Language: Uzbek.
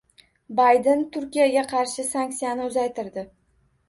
Bayden Turkiyaga qarshi sanksiyani uzaytirdi